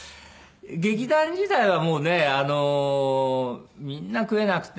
劇団時代はもうねみんな食えなくて。